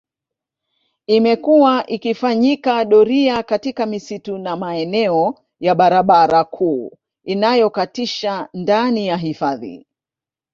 Imekuwa ikifanyika doria katika misitu na maeneo ya barabara kuu inayokatisha ndani ya hifadhi